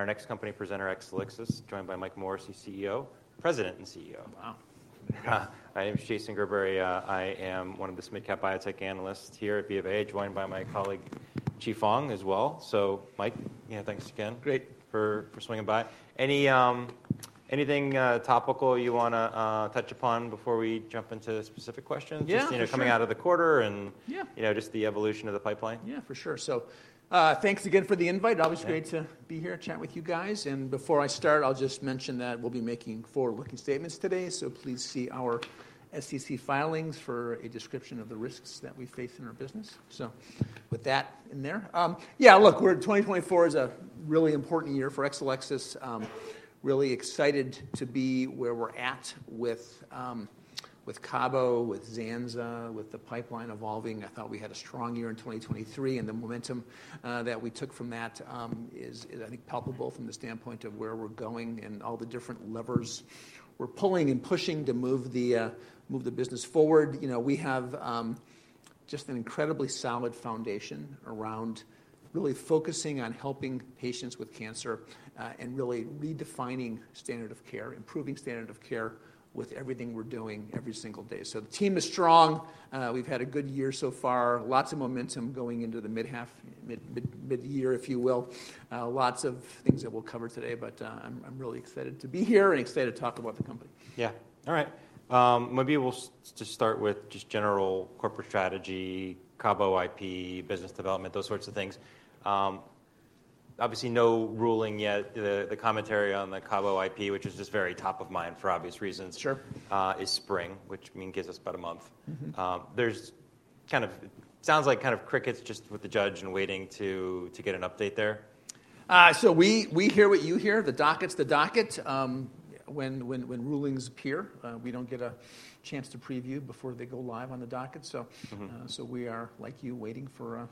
Our next company presenter, Exelixis, joined by Mike Morrissey, CEO. President and CEO. Wow! I am Jason Gerberry. I am one of the mid-cap biotech analysts here at BofA, joined by my colleague, Chi Fong, as well. So Mike, yeah, thanks again- Great. for swinging by. Anything topical you wanna touch upon before we jump into specific questions? Yeah, sure. Just, you know, coming out of the quarter and- Yeah... you know, just the evolution of the pipeline. Yeah, for sure. So, thanks again for the invite. Yeah. Always great to be here, chat with you guys. And before I start, I'll just mention that we'll be making forward-looking statements today, so please see our SEC filings for a description of the risks that we face in our business. So with that in there, yeah, look, 2024 is a really important year for Exelixis. Really excited to be where we're at with, with Cabozantinib, with Zanza, with the pipeline evolving. I thought we had a strong year in 2023, and the momentum, that we took from that, is, I think, palpable from the standpoint of where we're going and all the different levers we're pulling and pushing to move the, move the business forward. You know, we have just an incredibly solid foundation around really focusing on helping patients with cancer, and really redefining standard of care, improving standard of care with everything we're doing every single day. So the team is strong. We've had a good year so far. Lots of momentum going into the mid-year, if you will. Lots of things that we'll cover today, but I'm really excited to be here and excited to talk about the company. Yeah. All right. Maybe we'll just start with just general corporate strategy, Cabo IP, business development, those sorts of things. Obviously, no ruling yet. The commentary on the Cabo IP, which is just very top of mind for obvious reasons- Sure... is spring, which I mean, gives us about a month. Mm-hmm. There's kind of sounds like kind of crickets just with the judge and waiting to get an update there. So we hear what you hear, the dockets, the docket. When rulings appear, we don't get a chance to preview before they go live on the docket. So- Mm-hmm. So we are like you, waiting for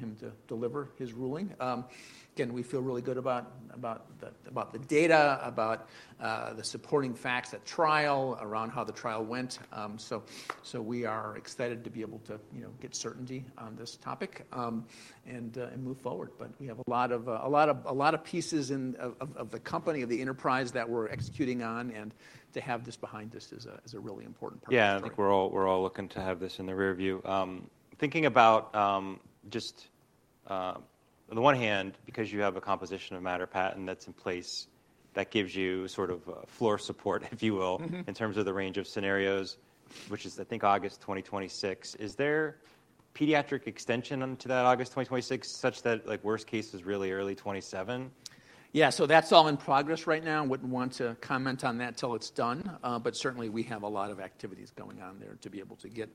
him to deliver his ruling. Again, we feel really good about the data, about the supporting facts at trial, around how the trial went. So we are excited to be able to, you know, get certainty on this topic, and move forward. But we have a lot of pieces of the company, of the enterprise that we're executing on, and to have this behind us is a really important part of the story. Yeah. I think we're all, we're all looking to have this in the rearview. Thinking about, just, on the one hand, because you have a composition of matter patent that's in place, that gives you sort of a floor support, if you will- Mm-hmm... in terms of the range of scenarios, which is, I think, August 2026. Is there pediatric extension onto that August 2026, such that, like, worst case is really early 2027? Yeah. So that's all in progress right now. Wouldn't want to comment on that till it's done, but certainly, we have a lot of activities going on there to be able to get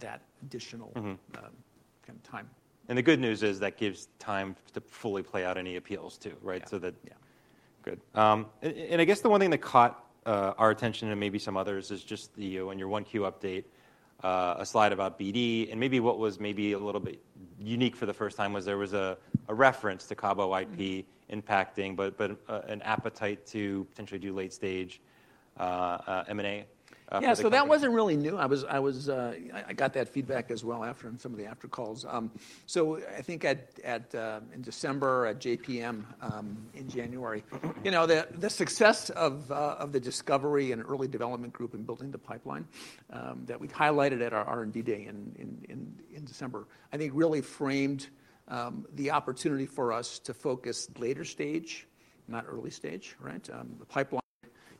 that additional- Mm-hmm... kind of time. The good news is that gives time to fully play out any appeals too, right? Yeah. So that- Yeah. Good. And I guess the one thing that caught our attention and maybe some others is just the, on your 1Q update, a slide about BD, and maybe what was maybe a little bit unique for the first time was there was a reference to Cabo IP- Mm... impacting, but an appetite to potentially do late-stage M&A for the company. Yeah, so that wasn't really new. I was, I was... I got that feedback as well after, in some of the after calls. So I think at, at, in December, at JPM, in January, you know, the, the success of, of the discovery and early development group in building the pipeline, that we highlighted at our R&D day in, in, in, in December, I think really framed, the opportunity for us to focus later stage, not early stage, right? The pipeline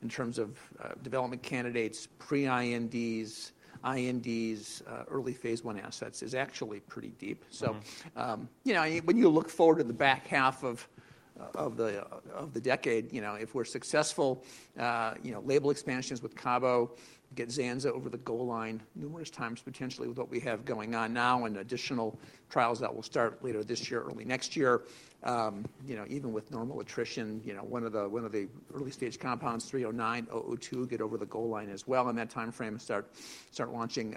in terms of, development candidates, pre-INDs, INDs, early phase I assets, is actually pretty deep. Mm-hmm. So, you know, when you look forward to the back half of the decade, you know, if we're successful, you know, label expansions with Cabo, get Zanza over the goal line numerous times, potentially with what we have going on now and additional trials that will start later this year, early next year. You know, even with normal attrition, you know, one of the early-stage compounds, 309, 002, get over the goal line as well in that timeframe and start launching.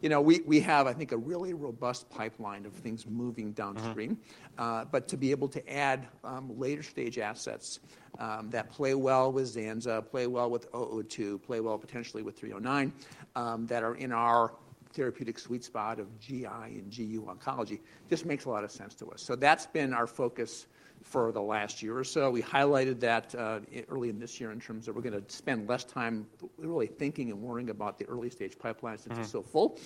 You know, we have, I think, a really robust pipeline of things moving downstream. Mm. But to be able to add, later stage assets, that play well with Zanza, play well with oh oh two, play well potentially with 309, that are in our therapeutic sweet spot of GI and GU oncology, just makes a lot of sense to us. So that's been our focus for the last year or so. We highlighted that, early in this year in terms of we're gonna spend less time really thinking and worrying about the early-stage pipelines- Mm-hmm... which are still full,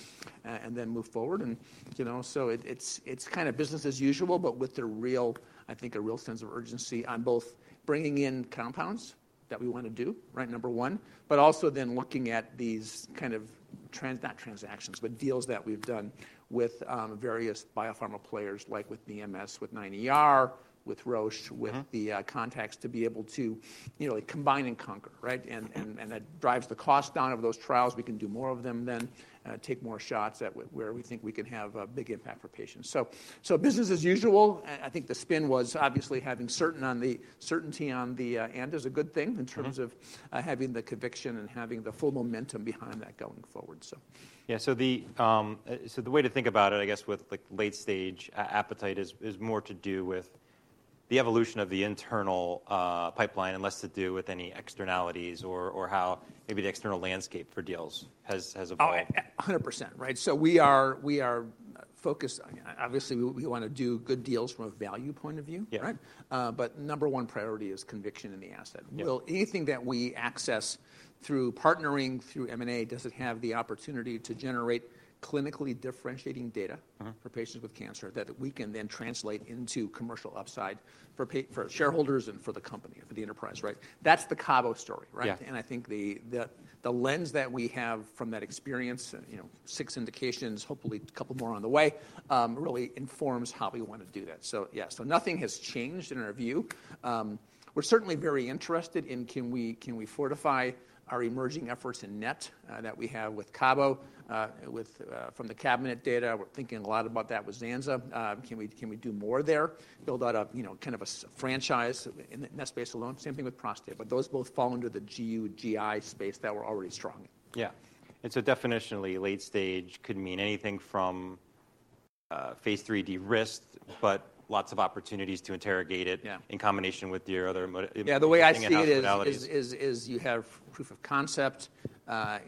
and then move forward. And, you know, so it's kind of business as usual, but with the real, I think, a real sense of urgency on both bringing in compounds that we wanna do, right, number one, but also then looking at these kind of—not transactions, but deals that we've done with various biopharma players, like with BMS, with 9ER, with Roche- Mm-hmm... with the contacts to be able to, you know, combine and conquer, right? Mm-hmm. And that drives the cost down of those trials. We can do more of them then, take more shots at where we think we can have a big impact for patients. So, business as usual, I think the spin was obviously having certainty on the end is a good thing. Mm-hmm... in terms of, having the conviction and having the full momentum behind that going forward, so. Yeah, so the way to think about it, I guess, with the late-stage appetite is more to do with the evolution of the internal pipeline, and less to do with any externalities or how maybe the external landscape for deals has evolved. Oh, 100%, right? So we are focused, obviously, we wanna do good deals from a value point of view. Yeah. Right? But number one priority is conviction in the asset. Yeah. Will anything that we access through partnering through M&A, does it have the opportunity to generate clinically differentiating data? Uh-huh. for patients with cancer, that we can then translate into commercial upside for shareholders and for the company, for the enterprise, right? That's the Cabo story, right? Yeah. I think the lens that we have from that experience and, you know, six indications, hopefully a couple more on the way, really informs how we want to do that. So yeah, nothing has changed in our view. We're certainly very interested in can we fortify our emerging efforts in NET, that we have with CABO, with, from the CABINET data? We're thinking a lot about that with Zanza. Can we do more there? Build out a, you know, kind of a franchise in the NET space alone. Same thing with prostate, but those both fall under the GU GI space that we're already strong in. Yeah. And so definitionally, late stage could mean anything from, phase III de-risked, but lots of opportunities to interrogate it- Yeah in combination with your other mo- Yeah, the way I see it- modalities... you have proof of concept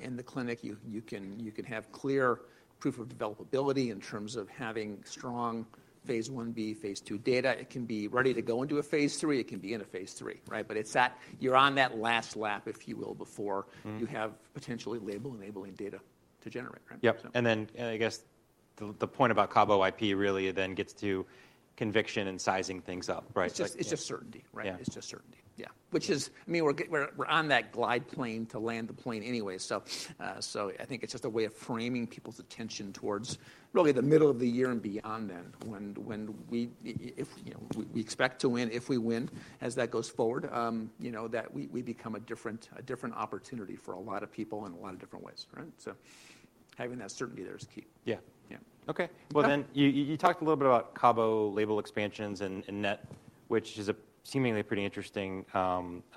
in the clinic. You can have clear proof of developability in terms of having strong phase Ib, phase II data. It can be ready to go into a phase III, it can be in a phase III, right? But it's that you're on that last lap, if you will, before- Mm-hmm. You have potentially label-enabling data to generate, right? Yep. So. I guess the point about Cabo IP really then gets to conviction and sizing things up, right? It's just, it's just certainty, right? Yeah. It's just certainty. Yeah. Which is, I mean, we're - we're on that glide plane to land the plane anyway, so I think it's just a way of framing people's attention towards really the middle of the year and beyond then, when we, if, you know, we expect to win, if we win, as that goes forward, you know, that we become a different, a different opportunity for a lot of people in a lot of different ways, right? So having that certainty there is key. Yeah. Yeah. Okay. Yeah. Well, then, you talked a little bit about Cabo label expansions and NET, which is a seemingly pretty interesting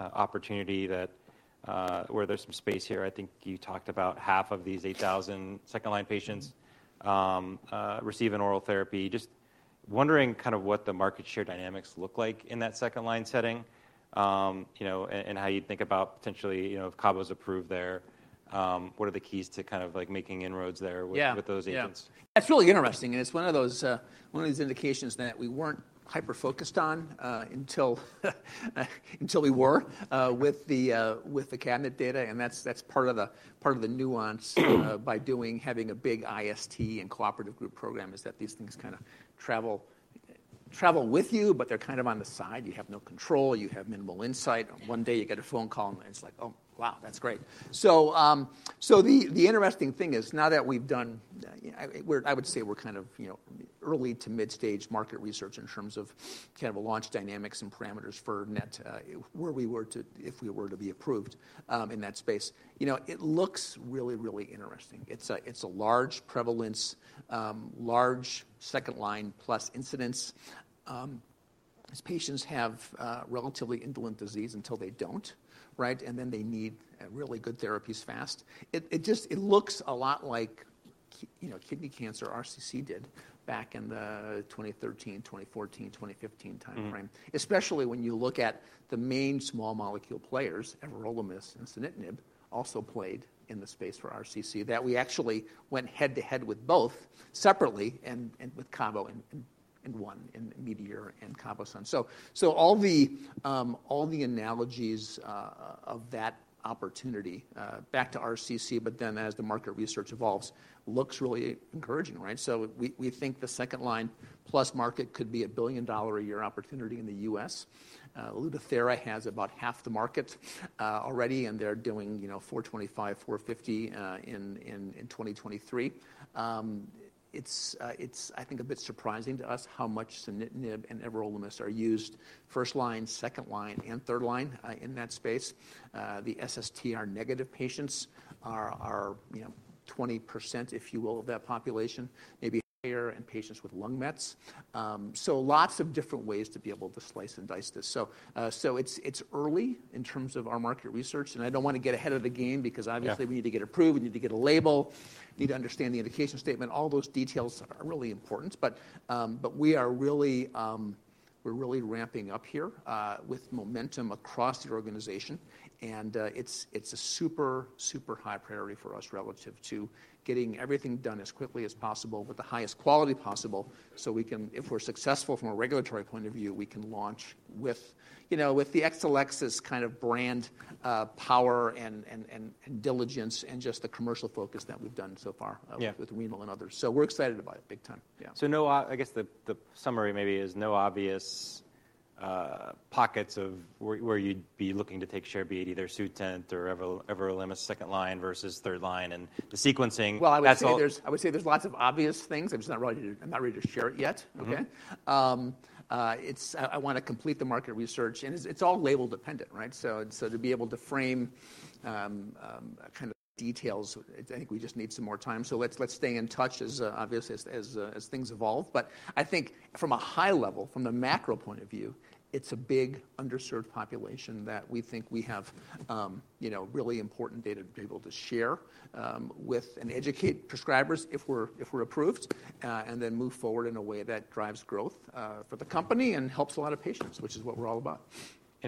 opportunity where there's some space here. I think you talked about half of these 8,000 second-line patients- Mm-hmm receiving oral therapy. Just wondering kind of what the market share dynamics look like in that second-line setting, you know, and how you'd think about potentially, you know, if Cabo's approved there, what are the keys to kind of, like, making inroads there? Yeah... with those agents? Yeah. That's really interesting, and it's one of those, one of those indications that we weren't hyper-focused on, until, until we were, with the, with the CABINET data, and that's, that's part of the, part of the nuance by doing having a big IST and cooperative group program, is that these things kinda travel, travel with you, but they're kind of on the side. You have no control. You have minimal insight. One day you get a phone call, and it's like, "Oh, wow, that's great!" So, so the, the interesting thing is, now that we've done, we're I would say we're kind of, you know, early to mid-stage market research in terms of kind of a launch dynamics and parameters for NET, where we were to if we were to be approved, in that space. You know, it looks really, really interesting. It's a, it's a large prevalence, large second-line plus incidence. These patients have relatively indolent disease until they don't, right? And then they need really good therapies fast. It, it just, it looks a lot like k- you know, kidney cancer, RCC did back in the 2013, 2014, 2015 timeframe. Mm. Especially when you look at the main small molecule players, everolimus and sunitinib, also played in the space for RCC. That we actually went head-to-head with both separately and with Cabo and won in METEOR and CABOSUN. So all the analogies of that opportunity back to RCC, but then as the market research evolves, looks really encouraging, right? So we think the second line plus market could be a billion-dollar-a-year opportunity in the U.S. Lutathera has about half the market already, and they're doing, you know, $425 million-$450 million in 2023. It's, I think, a bit surprising to us how much sunitinib and everolimus are used first line, second line, and third line in that space. The SST-negative patients are, you know, 20%, if you will, of that population, maybe higher in patients with lung mets. So lots of different ways to be able to slice and dice this. So it's early in terms of our market research, and I don't wanna get ahead of the game because obviously- Yeah... we need to get approved, we need to get a label, we need to understand the indication statement. All those details are really important, but, but we are really, we're really ramping up here, with momentum across the organization, and, it's, it's a super, super high priority for us relative to getting everything done as quickly as possible with the highest quality possible, so we can - if we're successful from a regulatory point of view, we can launch with, you know, with the Exelixis kind of brand, power and, and, and, and diligence, and just the commercial focus that we've done so far- Yeah... with Vimal and others. So we're excited about it big time. Yeah. So no obvious. I guess the summary maybe is no obvious pockets of where you'd be looking to take share be it either Sutent or everolimus second line versus third line, and the sequencing- Well, I would say there's. That's all- I would say there's lots of obvious things. I'm just not ready to, I'm not ready to share it yet. Mm-hmm. Okay? I wanna complete the market research, and it's all label dependent, right? So to be able to frame kind of details, I think we just need some more time. So let's stay in touch as obviously as things evolve. But I think from a high level, from the macro point of view, it's a big underserved population that we think we have, you know, really important data to be able to share with and educate prescribers if we're approved, and then move forward in a way that drives growth for the company and helps a lot of patients, which is what we're all about.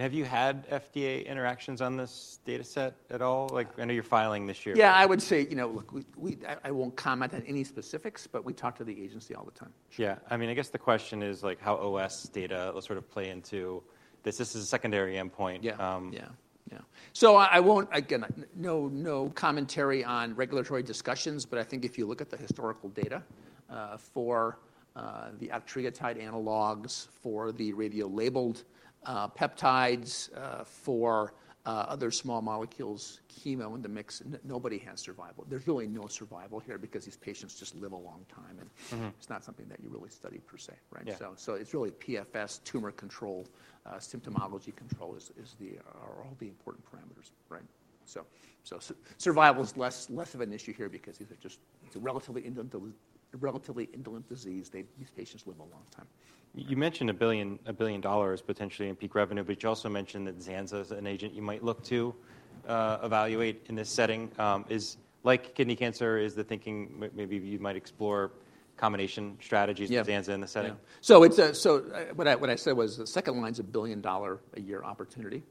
Have you had FDA interactions on this dataset at all? Like, I know you're filing this year. Yeah, I would say, you know, look, we won't comment on any specifics, but we talk to the agency all the time. Yeah. I mean, I guess the question is, like, how OS data will sort of play into this. This is a secondary endpoint. Yeah. Um... Yeah. Yeah. So I won't, again, no, no commentary on regulatory discussions, but I think if you look at the historical data, the octreotide analogs for the radiolabeled peptides, for other small molecules, chemo in the mix, nobody has survival. There's really no survival here because these patients just live a long time, and- Mm-hmm. It's not something that you really study per se. Right? Yeah. So, it's really PFS, tumor control, symptomology control is, are all the important parameters, right? So, survival is less, less of an issue here because these are just, it's a relatively indolent, relatively indolent disease. These patients live a long time. You mentioned $1 billion, $1 billion dollars potentially in peak revenue, but you also mentioned that Zanza is an agent you might look to evaluate in this setting. Like kidney cancer, is the thinking maybe you might explore combination strategies? Yeah. with Zanza in the setting? So what I said was the second line is a billion-dollar-a-year opportunity,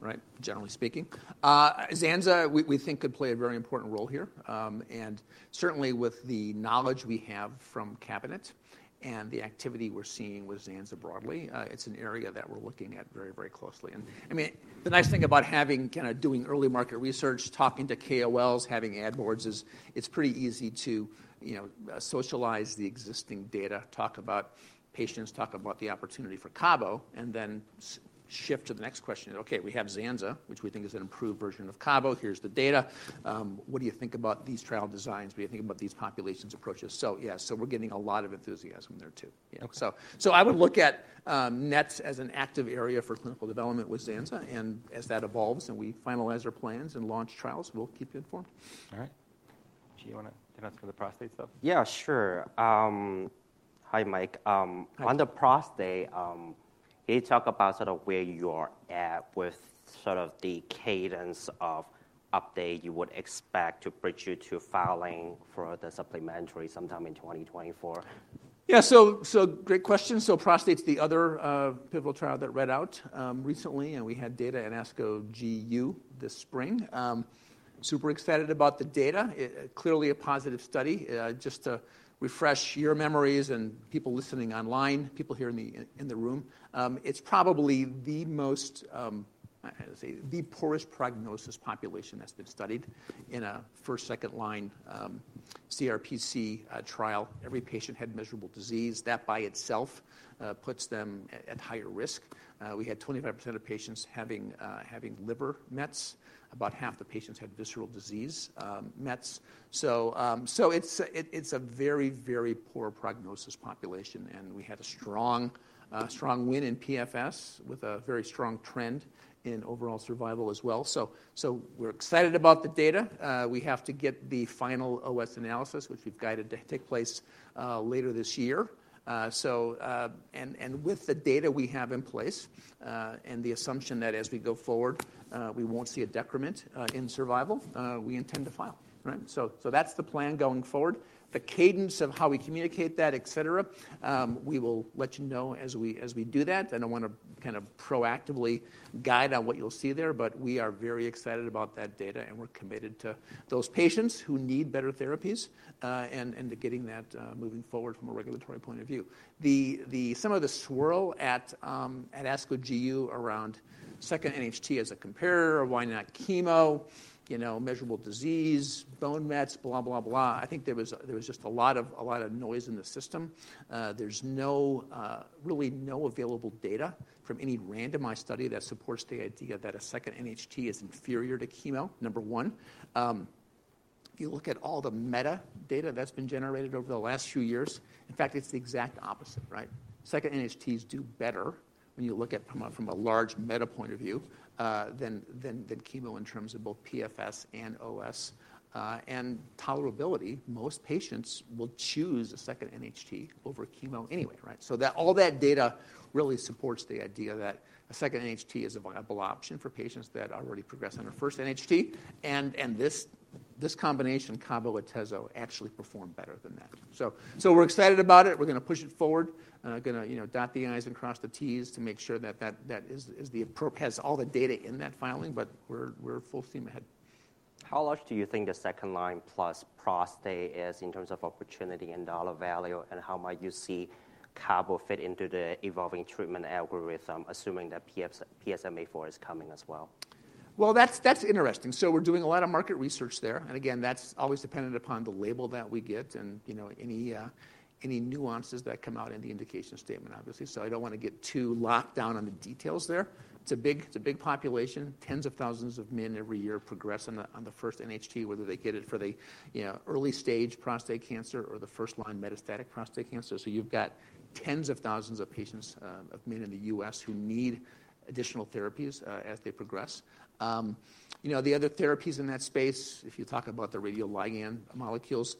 right? Generally speaking. Zanza, we think could play a very important role here. And certainly with the knowledge we have from CABINET and the activity we're seeing with Zanza broadly, it's an area that we're looking at very, very closely. And I mean, the nice thing about having kinda doing early market research, talking to KOLs, having ad boards, is it's pretty easy to, you know, socialize the existing data, talk about patients, talk about the opportunity for Cabo, and then shift to the next question. "Okay, we have Zanza, which we think is an improved version of Cabo. Here's the data. What do you think about these trial designs? What do you think about these population approaches? Yeah, so we're getting a lot of enthusiasm there, too. Okay. So, I would look at NET as an active area for clinical development with Zanza, and as that evolves and we finalize our plans and launch trials, we'll keep you informed. All right. Do you want to talk about the prostate stuff? Yeah, sure. Hi, Mike. Hi. On the prostate, can you talk about sort of where you're at with sort of the cadence of update you would expect to bridge you to filing for the supplementary sometime in 2024? Yeah, so, so great question. So prostate's the other pivotal trial that read out recently, and we had data at ASCO GU this spring. Super excited about the data. Clearly a positive study. Just to refresh your memories and people listening online, people here in the room, it's probably the most, how do I say, the poorest prognosis population that's been studied in a first, second line CrPC trial. Every patient had measurable disease. That, by itself, puts them at higher risk. We had 25% of patients having liver mets. About half the patients had visceral disease mets. So, so it's a very, very poor prognosis population, and we had a strong, strong win in PFS, with a very strong trend in overall survival as well. So, we're excited about the data. We have to get the final OS analysis, which we've guided to take place later this year. And with the data we have in place, and the assumption that as we go forward, we won't see a decrement in survival, we intend to file. Right? So, that's the plan going forward. The cadence of how we communicate that, et cetera, we will let you know as we do that. I don't want to kind of proactively guide on what you'll see there, but we are very excited about that data, and we're committed to those patients who need better therapies, and to getting that moving forward from a regulatory point of view. Some of the swirl at ASCO GU around second NHT as a comparator, or why not chemo, you know, measurable disease, bone mets, blah, blah, blah. I think there was just a lot of noise in the system. There's really no available data from any randomized study that supports the idea that a second NHT is inferior to chemo, number one. If you look at all the meta data that's been generated over the last few years, in fact, it's the exact opposite, right? Second NHTs do better when you look at them from a large meta point of view, than chemo in terms of both PFS and OS. And tolerability, most patients will choose a second NHT over a chemo anyway, right? So, that all that data really supports the idea that a second NHT is a viable option for patients that already progressed on their first NHT, and this combination, Cabo with Tezo, actually performed better than that. So, we're excited about it. We're gonna push it forward. We're gonna, you know, dot the I's and cross the T's to make sure that the approval has all the data in that filing, but we're full steam ahead. How large do you think the second-line plus prostate is in terms of opportunity and dollar value, and how might you see Cabo fit into the evolving treatment algorithm, assuming that PSMAfore is coming as well? Well, that's, that's interesting. So we're doing a lot of market research there. And again, that's always dependent upon the label that we get and, you know, any any nuances that come out in the indication statement, obviously. So I don't want to get too locked down on the details there. It's a big, it's a big population. Tens of thousands of men every year progress on the, on the first NHT, whether they get it for the, you know, early-stage prostate cancer or the first-line metastatic prostate cancer. So you've got tens of thousands of patients, of men in the U.S. who need additional therapies as they progress. You know, the other therapies in that space, if you talk about the radioligand molecules,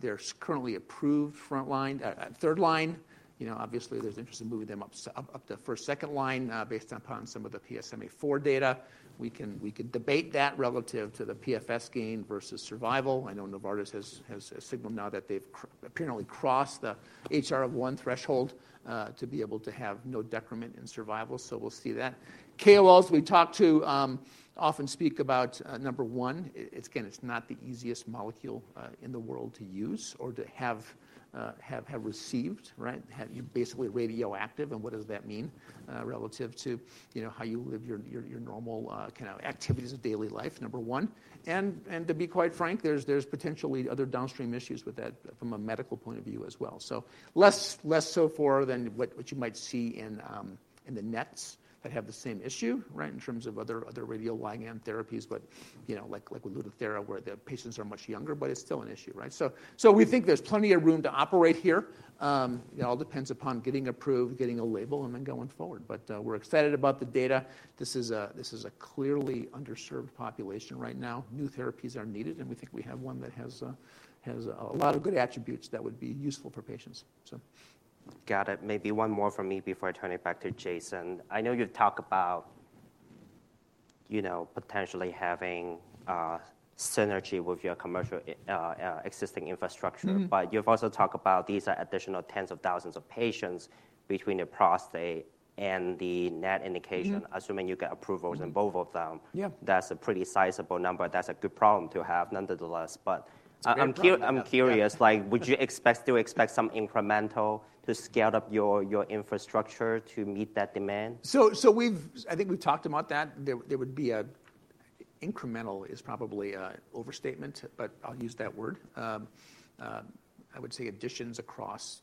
they're currently approved front line, third line-... You know, obviously, there's interest in moving them up, up, up to first, second line, based upon some of the PSMAfore data. We can, we can debate that relative to the PFS gain versus survival. I know Novartis has, has signaled now that they've apparently crossed the HR of one threshold, to be able to have no decrement in survival, so we'll see that. KOLs we've talked to often speak about, number one, it's again, it's not the easiest molecule in the world to use or to have received, right? Basically radioactive, and what does that mean, relative to, you know, how you live your normal, kinda activities of daily life, number one. To be quite frank, there's potentially other downstream issues with that from a medical point of view as well. So less so than what you might see in the NETs that have the same issue, right? In terms of other radioligand therapies. But you know, like with Lutathera, where the patients are much younger, but it's still an issue, right? So we think there's plenty of room to operate here. It all depends upon getting approved, getting a label, and then going forward. But we're excited about the data. This is a clearly underserved population right now. New therapies are needed, and we think we have one that has a lot of good attributes that would be useful for patients. So... Got it. Maybe one more from me before I turn it back to Jason. I know you talk about, you know, potentially having synergy with your commercial existing infrastructure. Mm-hmm. But you've also talked about these are additional tens of thousands of patients between the prostate and the NET indication. Mm-hmm. assuming you get approvals in both of them. Yeah. That's a pretty sizable number. That's a good problem to have, nonetheless. But- It's a great problem, yeah. I'm curious, like, would you expect to expect some incremental to scale up your infrastructure to meet that demand? So we've— I think we've talked about that. There would be a... Incremental is probably a overstatement, but I'll use that word. I would say additions across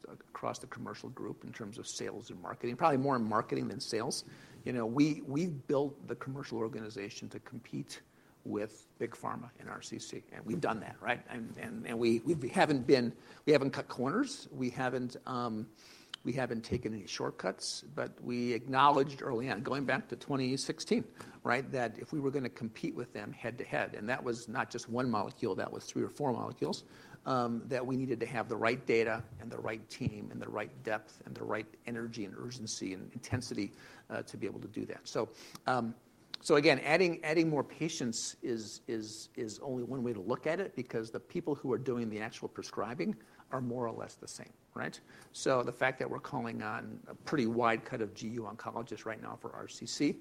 the commercial group in terms of sales and marketing, probably more in marketing than sales. You know, we, we've built the commercial organization to compete with Big Pharma in RCC, and we've done that, right? And we haven't been— we haven't cut corners, we haven't, we haven't taken any shortcuts. But we acknowledged early on, going back to 2016, right? That if we were gonna compete with them head-to-head, and that was not just one molecule, that was three or four molecules, that we needed to have the right data and the right team and the right depth and the right energy and urgency and intensity to be able to do that. So, again, adding more patients is only one way to look at it because the people who are doing the actual prescribing are more or less the same, right? So the fact that we're calling on a pretty wide cut of GU oncologists right now for RCC,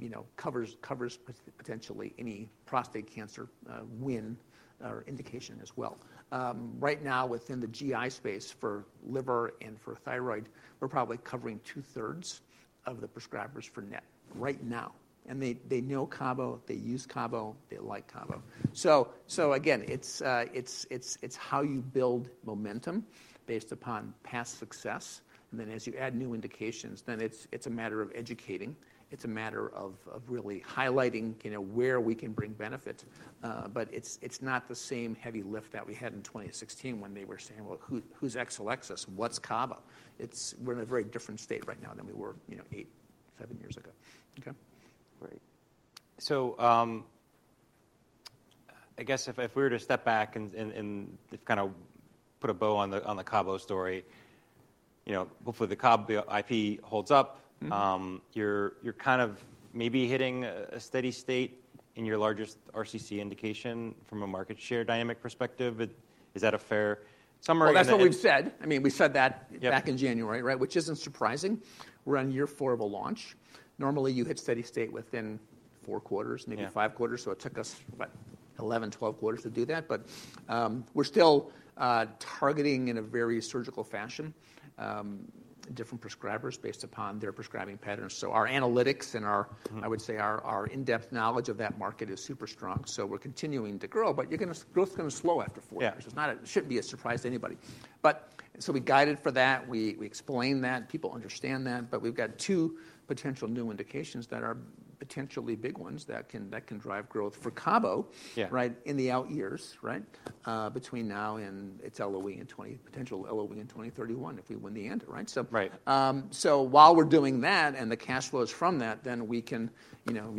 you know, covers potentially any prostate cancer win or indication as well. Right now, within the GI space for liver and for thyroid, we're probably covering two-thirds of the prescribers for NET right now, and they know Cabo, they use Cabo, they like Cabo. So again, it's how you build momentum based upon past success, and then as you add new indications, then it's a matter of educating. It's a matter of really highlighting, you know, where we can bring benefit. But it's, it's not the same heavy lift that we had in 2016 when they were saying: "Well, who's Exelixis? What's Cabo?" It's we're in a very different state right now than we were, you know, eight, seven years ago. Okay. Great. So, I guess if we were to step back and kind of put a bow on the Cabo story, you know, hopefully, the Cabo IP holds up. Mm-hmm. You're kind of maybe hitting a steady state in your largest RCC indication from a market share dynamic perspective. Is that a fair summary? Well, that's what we've said. I mean, we said that- Yeah... back in January, right? Which isn't surprising. We're on year four of a launch. Normally, you hit steady state within four quarters- Yeah... maybe five quarters, so it took us, what, 11, 12 quarters to do that. But, we're still targeting in a very surgical fashion, different prescribers based upon their prescribing patterns. So our analytics and our- Mm-hmm... I would say, our in-depth knowledge of that market is super strong, so we're continuing to grow. But you're gonna—growth is gonna slow after four years. Yeah. It's not a-- it shouldn't be a surprise to anybody. But, so we guided for that, we explained that, people understand that, but we've got two potential new indications that are potentially big ones that can drive growth for Cabo- Yeah... right, in the out years, right? Between now and its LOE, potential LOE in 2031, if we win the ANDA, right? So- Right. So while we're doing that, and the cash flows from that, then we can, you know,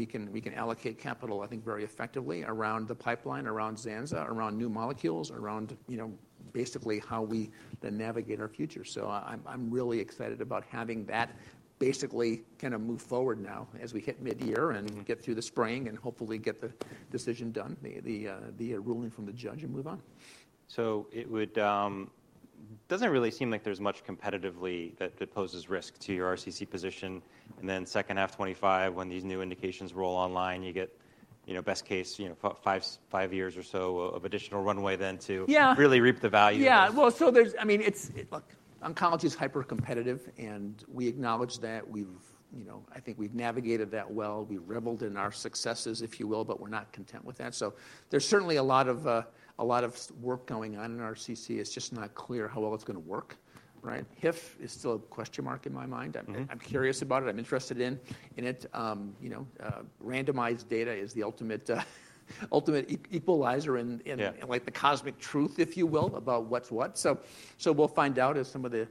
allocate capital, I think, very effectively around the pipeline, around Zanza, around new molecules, around, you know, basically how we then navigate our future. So I'm really excited about having that basically kinda move forward now as we hit midyear and get through the spring and hopefully get the decision done, the ruling from the judge and move on. So it would. Doesn't really seem like there's much competitively that poses risk to your RCC position, and then second half 2025, when these new indications roll online, you get, you know, best case, you know, five years or so of additional runway then to- Yeah really reap the value. Yeah. Well, so there's, I mean, it's, look, oncology is hypercompetitive, and we acknowledge that. We've, you know, I think we've navigated that well. We reveled in our successes, if you will, but we're not content with that. So there's certainly a lot of, a lot of work going on in RCC. It's just not clear how well it's gonna work, right? HIF is still a question mark in my mind. Mm-hmm. I'm curious about it. I'm interested in it. You know, randomized data is the ultimate equalizer and. Yeah Like the cosmic truth, if you will, about what's what. So we'll find out as some of the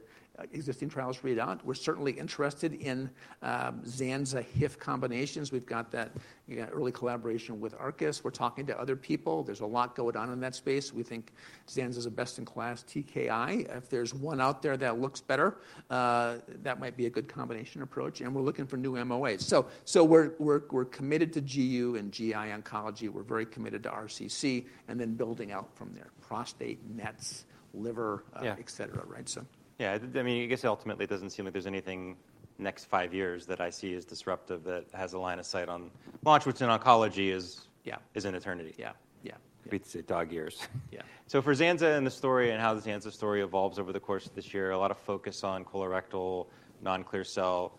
existing trials read out. We're certainly interested in Zanza HIF combinations. We've got that, yeah, early collaboration with Arcus. We're talking to other people. There's a lot going on in that space. We think Zanza is a best-in-class TKI. If there's one out there that looks better, that might be a good combination approach, and we're looking for new MOAs. So we're committed to GU and GI oncology. We're very committed to RCC, and then building out from there. Prostate, NETs, liver- Yeah... et cetera, right? So. Yeah, I mean, I guess ultimately, it doesn't seem like there's anything next five years that I see as disruptive that has a line of sight on, which in oncology is- Yeah... is an eternity. Yeah. Yeah. It's dog years. Yeah. So for Zanza and the story and how the Zanza story evolves over the course of this year, a lot of focus on colorectal, non-clear cell.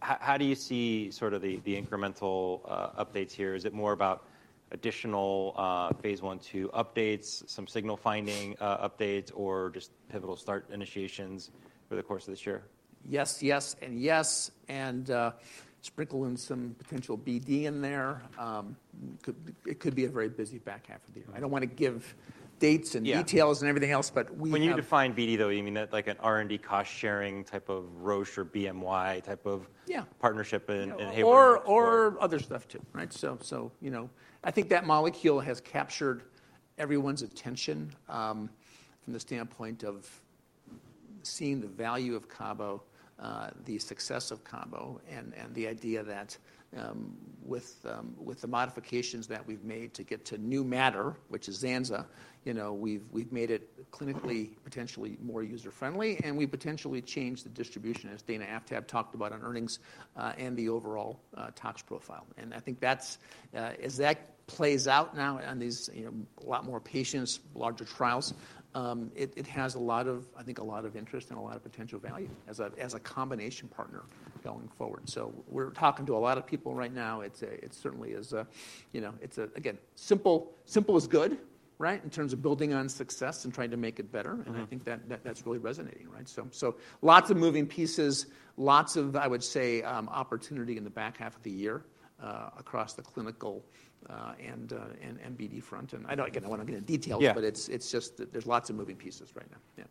How do you see sort of the incremental updates here? Is it more about additional phase I, II updates, some signal finding updates, or just pivotal start initiations for the course of this year? Yes, yes, and yes, and, sprinkle in some potential BD in there. It could be a very busy back half of the year. I don't want to give dates and Yeah... details and everything else, but we have- When you define BD, though, you mean that like an R&D cost-sharing type of Roche or BMY type of- Yeah... partnership in Or other stuff, too, right? So, you know, I think that molecule has captured everyone's attention from the standpoint of seeing the value of Cabo, the success of Cabo, and the idea that with the modifications that we've made to get to new matter, which is Zanza, you know, we've made it clinically potentially more user-friendly, and we potentially changed the distribution, as Dana Aftab talked about on earnings, and the overall tox profile. And I think that's as that plays out now on these, you know, a lot more patients, larger trials, it has a lot of, I think, a lot of interest and a lot of potential value as a combination partner going forward. So we're talking to a lot of people right now. It certainly is a, you know, it's a. Again, simple, simple is good, right? In terms of building on success and trying to make it better. Mm-hmm. And I think that's really resonating, right? So lots of moving pieces, lots of, I would say, opportunity in the back half of the year, across the clinical and BD front. And I know, again, I don't want to get into details- Yeah... but it's, it's just that there's lots of moving pieces right now. Yeah.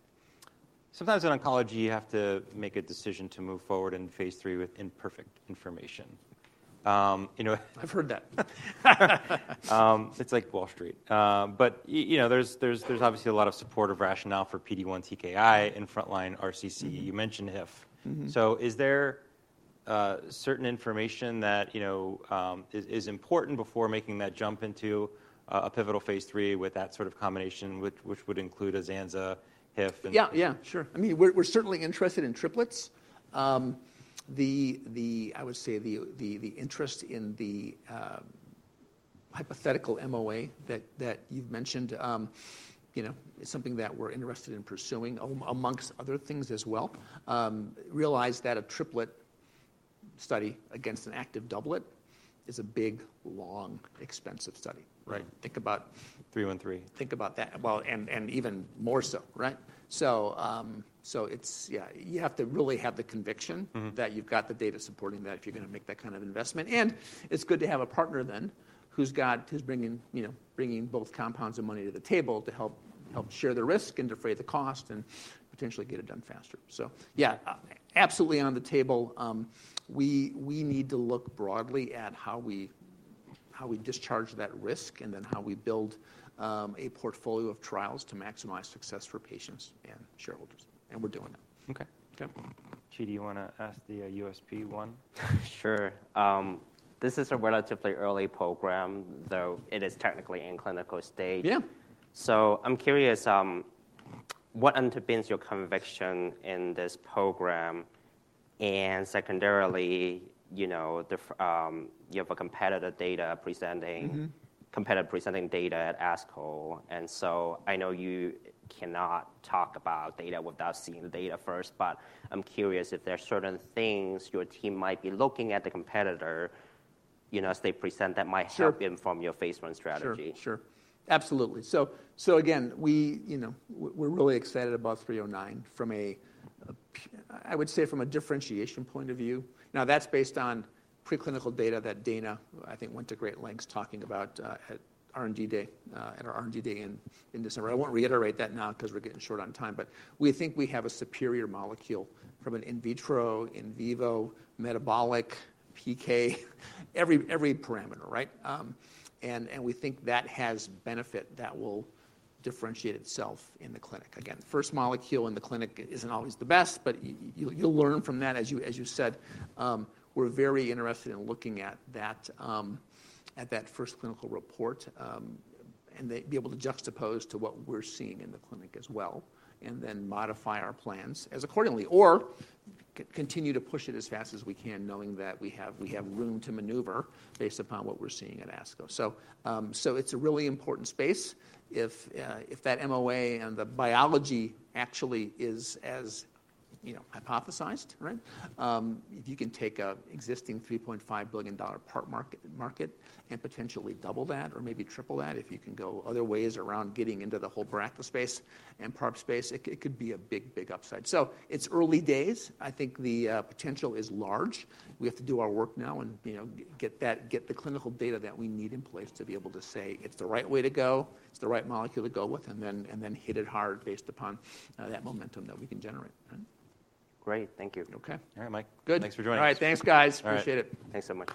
Sometimes in oncology, you have to make a decision to move forward in phase III with imperfect information. You know- I've heard that. It's like Wall Street. But you know, there's obviously a lot of supportive rationale for PD-1 TKI in front line RCC. Mm-hmm. You mentioned HIF. Mm-hmm. So is there certain information that, you know, is important before making that jump into a pivotal phase III with that sort of combination, which would include a Zanza, HIF, and- Yeah, yeah. Sure. I mean, we're certainly interested in triplets. I would say the interest in the hypothetical MOA that you've mentioned, you know, is something that we're interested in pursuing, amongst other things as well. Realize that a triplet study against an active doublet is a big, long, expensive study, right? Think about- 330 Think about that. Well, and even more so, right? So, it's... Yeah, you have to really have the conviction- Mm-hmm... that you've got the data supporting that if you're going to make that kind of investment, and it's good to have a partner then, who's bringing, you know, both compounds and money to the table to help share the risk and defray the cost and potentially get it done faster. So yeah, absolutely on the table. We need to look broadly at how we discharge that risk, and then how we build a portfolio of trials to maximize success for patients and shareholders, and we're doing that. Okay, cool. Chi, do you want to ask the USP1? Sure. This is a relatively early program, though it is technically in clinical stage. Yeah. So I'm curious, what underpins your conviction in this program? And secondarily, you know, you have a competitor data presenting- Mm-hmm... competitor presenting data at ASCO, and so I know you cannot talk about data without seeing the data first, but I'm curious if there are certain things your team might be looking at the competitor, you know, as they present, that might help- Sure... inform your phase I strategy. Sure, sure. Absolutely. So, so again, we, you know, we're really excited about 309 from a, I would say from a differentiation point of view. Now, that's based on preclinical data that Dana, I think, went to great lengths talking about at R&D Day at our R&D Day in December. I won't reiterate that now 'cause we're getting short on time, but we think we have a superior molecule from an in vitro, in vivo, metabolic, PK, every parameter, right? And we think that has benefit that will differentiate itself in the clinic. Again, first molecule in the clinic isn't always the best, but you'll learn from that. As you, as you said, we're very interested in looking at that, at that first clinical report, and then be able to juxtapose to what we're seeing in the clinic as well, and then modify our plans as accordingly, or continue to push it as fast as we can, knowing that we have, we have room to maneuver based upon what we're seeing at ASCO. So, so it's a really important space. If, if that MOA and the biology actually is as, you know, hypothesized, right? If you can take an existing $3.5 billion RCC market and potentially double that or maybe triple that, if you can go other ways around getting into the whole BRCA space and PARP space, it it could be a big, big upside. So it's early days. I think the potential is large. We have to do our work now and, you know, get that, get the clinical data that we need in place to be able to say it's the right way to go, it's the right molecule to go with, and then, and then hit it hard based upon that momentum that we can generate, right? Great. Thank you. Okay. All right, Mike. Good. Thanks for joining us. All right. Thanks, guys. All right. Appreciate it. Thanks so much.